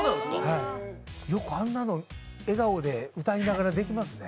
よくあんなの笑顔で歌いながらできますね。